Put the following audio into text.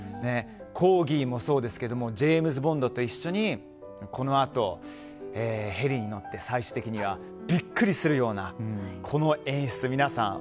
コーギーもそうですけどジェームズ・ボンドと一緒にこのあとヘリに乗って最終的にはビックリするようなこの演出。